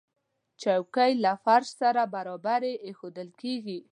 چوکۍ له فرش سره برابرې ایښودل کېږي.